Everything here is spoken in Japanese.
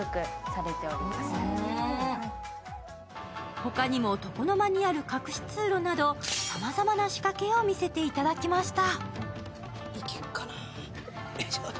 他にも床の間にある隠し通路などさまざまな仕掛けを見せていただきました。